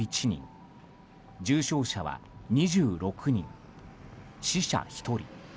重症者は２６人、死者１人。